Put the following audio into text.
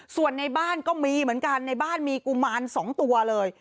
ส่วนในบ้านก็มีเหมือนกันในบ้านมีกุมาร๒ตัวเลย